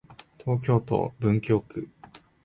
東京都文京区